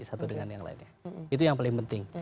satu dengan yang lainnya itu yang paling penting